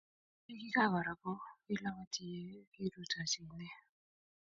Ye kikakoro ko kilapatyi ye kirutachi ine